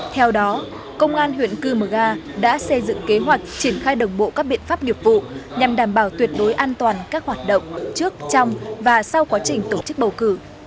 theo đó công an huyện cư mờ ga đã xây dựng kế hoạch triển khai đồng bộ các biện pháp nghiệp vụ nhằm đảm bảo tuyệt đối an toàn các hoạt động trước trong và sau quá trình tổ chức bầu cử